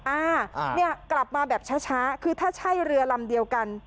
อ่าเนี่ยกลับมาแบบช้าคือถ้าใช่เรือลำเดียวกัน